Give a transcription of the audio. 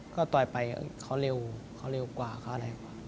ก็ต่อยไปเขาเร็วเขาเร็วกว่าเขาอะไรกว่า